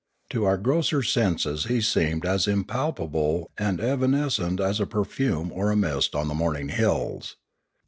To our grosser senses he seemed as impalpable and evanescent as a perfume or a mist on the morning hills.